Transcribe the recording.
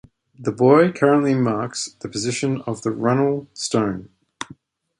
A buoy currently marks the position of the Runnel Stone.